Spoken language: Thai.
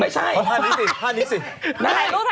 ถ่ายรูปถ่ายรูป